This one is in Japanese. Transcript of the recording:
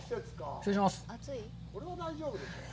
失礼します。